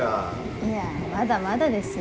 いやまだまだですよ。